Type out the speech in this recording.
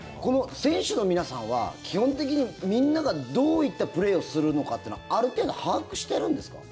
選手の皆さんは基本的にみんながどういったプレーをするのかっていうのはある程度、把握してるんですか？